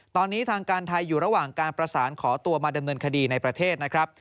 ตอนนี้ทางการไทยอยู่ระหว่างการประสานขอตัวมาดำเนินคดีในประเทศนะครับ